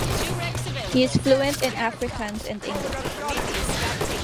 He is fluent in Afrikaans and English.